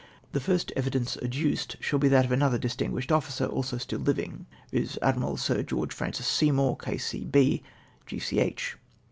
The first evidence adduced shall be that of another distinguished officer, also still living, viz. Admiral Sir George Francis Seymour, K. C. B., G. C. H.